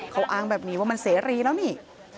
เขาอ้างแบบนี้ว่ามันเสรีแล้วนี่